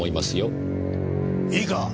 いいか？